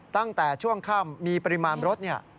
ตั้งแต่ช่วงข้ามมีปริมาณรถนี่